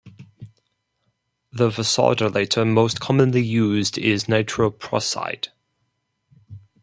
The vasodilator most commonly used is nitroprusside.